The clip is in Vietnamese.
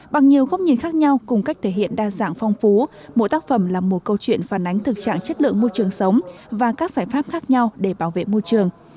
bằng nhiều góc nhìn khác nhau cùng cách thể hiện đa dạng phong phú mỗi tác phẩm là một câu chuyện phản ánh thực trạng chất lượng môi trường sống và các giải pháp khác nhau để bảo vệ môi trường